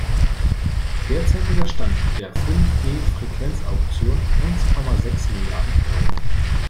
Derzeitiger Stand der Fünf-G-Frequenzauktion: Eins Komma sechs Milliarden Euro.